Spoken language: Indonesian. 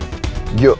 terima kasih udah nonton